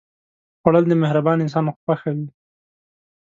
خوړل د مهربان انسان خوښه وي